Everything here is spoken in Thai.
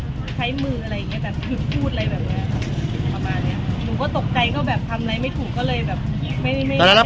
ใช้มึงอะไรอย่างเงี้ยคือพูดอะไรแบบนี้